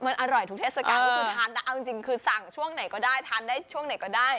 มันอร่อยทุกเทศกาลก็คือทานแต่เอาจริงคือสั่งช่วงไหนก็ได้ทานได้ช่วงไหนก็ได้